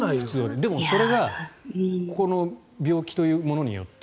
でもそれがこの病気というものによって